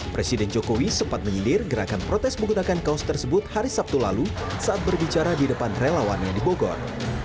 presiden jokowi sempat mengilir gerakan protes menggunakan kaos tersebut hari sabtu lalu saat berbicara di depan relawan yang dibogor